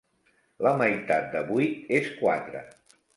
La meitat de vuit és quatre.